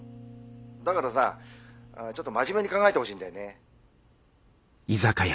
だからさちょっと真面目に考えてほしいんだよね。